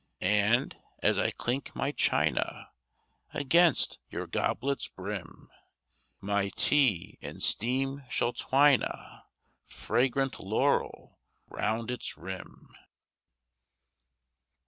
And, as I clink my china Against your goblet's brim, My tea in steam shall twine a Fragrant laurel round its rim.